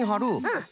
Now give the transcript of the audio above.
うん。